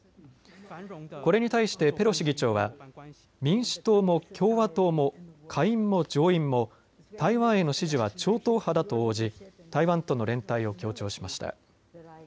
これに対してペロシ議長は、民主党も共和党も下院も上院も台湾への支持は超党派だと応じ台湾との連帯を強調しました。